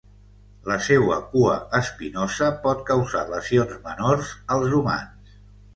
La seua cua espinosa pot causar lesions menors als humans.